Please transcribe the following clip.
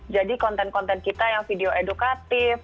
jadi konten konten kita yang video edukatif